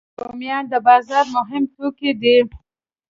رومیان د بازار مهم توکي دي